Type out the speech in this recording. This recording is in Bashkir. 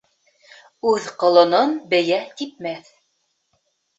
Үҙ ҡолонон бейә типмәҫ